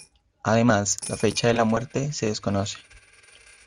Además, la fecha de la muerte se desconoce.